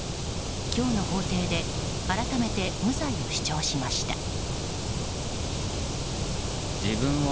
今日の法廷で改めて無罪を主張しました。